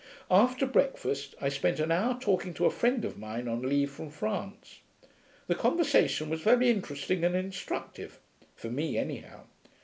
After breakfast I spent an hour talking to a friend of mine on leave from France. The conversation was very interesting and instructive; for me, anyhow.